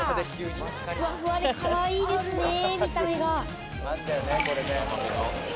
ふわふわで、かわいいですね、見た目が。